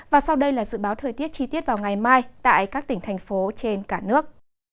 và sau đây là dự báo thời tiết chi tiết vào ngày mai tại các tỉnh thành phố trên cả nước